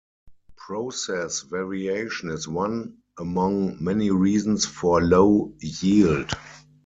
Process variation is one among many reasons for low yield.